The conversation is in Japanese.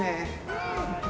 うん！